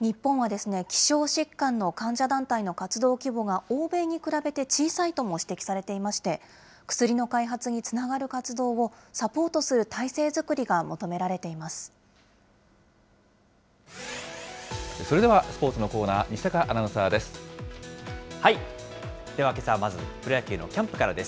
日本はですね、希少疾患の患者団体の活動規模が欧米に比べて小さいとも指摘されていまして、薬の開発につながる体制のサポートする体制作りが求それではスポーツのコーナー、では、けさはまず、プロ野球のキャンプからです。